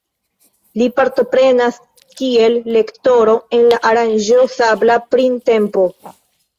Li partoprenas kiel lektoro en la aranĝo Sabla Printempo.